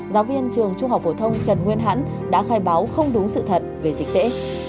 giáo viên trường trung học phổ thông trần nguyên hãn đã khai báo không đúng sự thật về dịch tễ